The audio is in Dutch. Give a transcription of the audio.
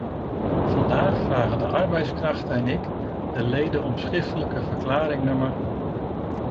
Vandaag vragen de arbeidskrachten en ik de leden om schriftelijke verklaring nr.